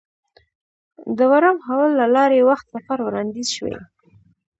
د ورم هول له لارې وخت سفر وړاندیز شوی.